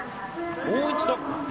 もう一度。